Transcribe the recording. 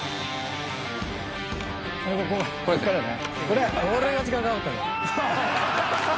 こっからね。